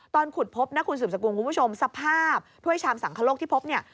ตอนขุดพบนะคุณสืบสกุลคุณผู้ชมสภาพถ้วยชามสังคโลกที่พบเนี่ย